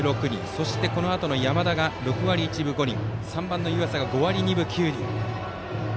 そして、このあとの山田が６割１分５厘３番、湯浅が５割２分９厘。